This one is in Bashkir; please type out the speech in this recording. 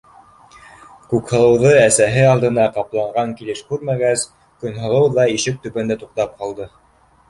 Күкһылыуҙы әсәһе алдына ҡапланған килеш күрмәгәс, Көнһылыу ҙа ишек төбөндә туҡтап ҡалды.